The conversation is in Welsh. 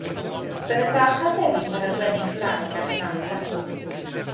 Bydde'n dda cael dewis o raglenni Cymraeg ar bnawn Sadwrn.